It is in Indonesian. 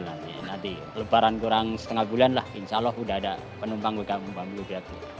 nanti lebaran kurang setengah bulan lah insya allah udah ada penumpang kembang kembang